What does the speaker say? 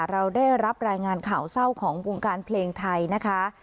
เราได้รับรายงานข่าวเศร้าของวงการเพลงไทยนะคะ